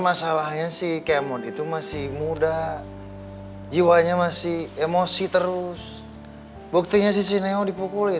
masalahnya si kemon itu masih muda jiwanya masih emosi terus buktinya si sineo dipukulin